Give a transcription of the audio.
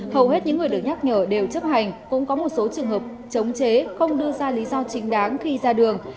hầu hết những người được nhắc nhở đều chấp hành cũng có một số trường hợp chống chế không đưa ra lý do chính đáng khi ra đường